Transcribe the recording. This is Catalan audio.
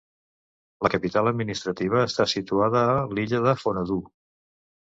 La capital administrativa està situada a l'illa Fonadhoo.